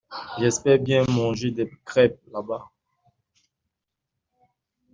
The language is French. J’espère bien manger des crêpes là-bas.